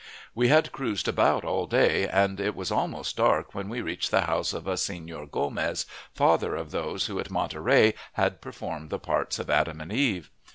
We had cruised about all day, and it was almost dark when we reached the house of a Senor Gomez, father of those who at Monterey had performed the parts of Adam and Eve.